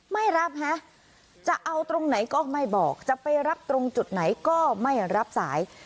ไม่รับฮะจะเอาตรงไหนก็ไม่บอกจะไปรับตรงจุดไหนก็ไม่รับสาย